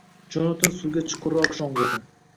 Jonatan suvga chuqurroq sho‘ng‘idi